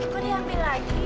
kok diambil lagi